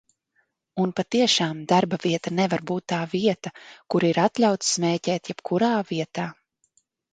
Un patiešām darbavieta nevar būt tā vieta, kur ir atļauts smēķēt jebkurā vietā.